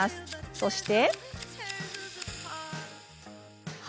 そして。